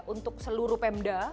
untuk seluruh pemda